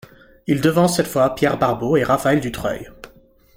Il devance cette fois Pierre Barbot et Raphaël Dutreuil.